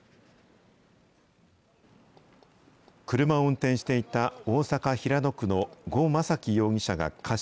車を運転していた大阪・平野区の呉昌樹容疑者が過失